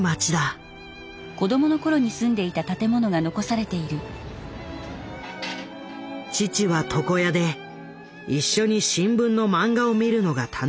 父は床屋で一緒に新聞のマンガを見るのが楽しみだったという。